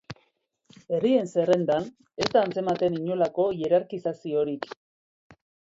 Herrien zerrendan ez da atzematen inolako hierarkizaziorik.